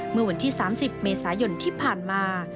เมื่อวันที่๓๐เมษายนที่ผ่านมา